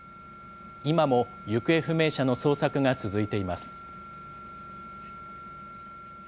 今も行方不明者の捜索が続いています。